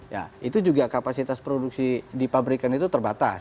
ya itu juga kapasitas produksi di pabrikan itu terbatas